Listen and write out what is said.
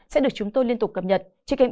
sẽ được chúng tôi liên tục cập nhật trên kênh